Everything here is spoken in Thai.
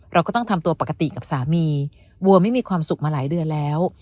เราก็ต้องทำตัวปกติกับสามีวัวไม่มีความสุขมาหลายเดือนแล้ว